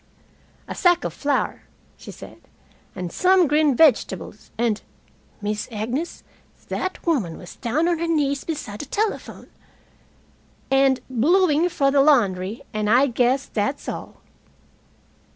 "A sack of flour," she said, "and some green vegetables, and Miss Agnes, that woman was down on her knees beside the telephone! and bluing for the laundry, and I guess that's all."